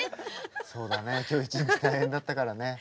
そうだね。今日一日大変だったからね。